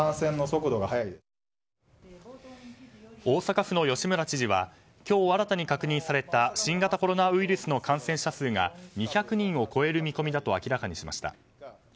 大阪府の吉村知事は今日新たに確認された新型コロナウイルスの感染者数が２００人を超える見込みだと明らかにしました。